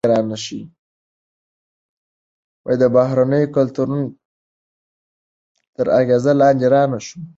د بهرنیو کلتورونو تر اغیز لاندې رانه شو.